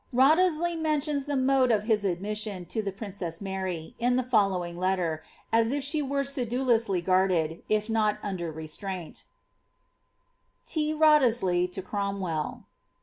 Wrioihesley mentions the mode of his admission to the princess Mary, in the following letter, as if she were sedulously gvaidedi if not under restraint :— T. Wbiotbsilbt to Ckomwyxl.